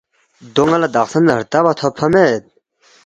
دو ن٘ا لہ دخسن ردَبا تھوبفا مید